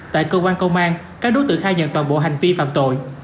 tại cơ quan công an các đối tượng khai nhận toàn bộ hành vi phạm tội